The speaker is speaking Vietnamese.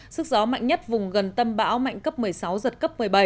sức gió mạnh nhất vùng gần tâm bão mạnh cấp một mươi sáu giật cấp một mươi bảy